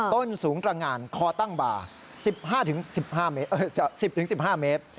ต้นสูงตรงานคอตั้งบ่า๑๕๑๐๑๕เมตร